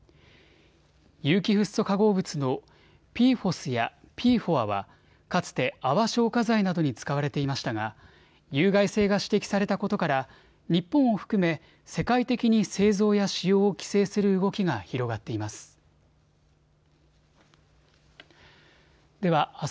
有機フッ素化合物のＰＦＯＳやＰＦＯＡはかつて泡消火剤などに使われていましたが有害性が指摘されたことから日本を含め世界的に製造や使用を規制する動きが広がっています。